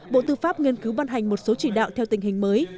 bộ tư pháp nghiên cứu ban hành một số chỉ đạo theo tình hình mới